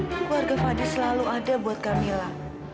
keluarga fadil selalu ada buat camilla